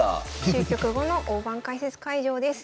終局後の大盤解説会場です。